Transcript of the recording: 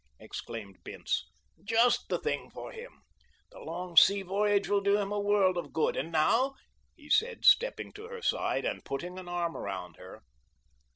exclaimed Bince; "just the thing for him. The long sea voyage will do him a world of good. And now," he said, stepping to her side and putting an arm around her.